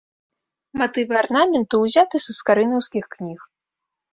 Матывы арнаменту ўзяты са скарынаўскіх кніг.